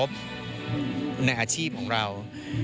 พี่ว่าความมีสปีริตของพี่แหวนเป็นตัวอย่างที่พี่จะนึกถึงเขาเสมอ